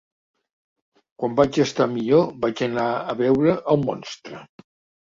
Quan vaig estar millor vaig anar a veure el monstre.